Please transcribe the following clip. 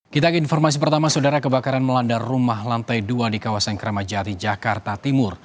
kita ke informasi pertama saudara kebakaran melanda rumah lantai dua di kawasan kramajati jakarta timur